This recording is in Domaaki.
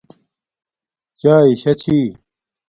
چاݵے شاہ چھی